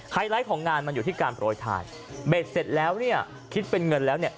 ไลท์ของงานมันอยู่ที่การโปรยทานเบ็ดเสร็จแล้วเนี่ยคิดเป็นเงินแล้วเนี่ย